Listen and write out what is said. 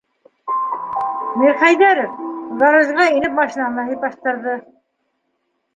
- Мирхәйҙәров, гаражға инеп, машинаны һыйпаштырҙы.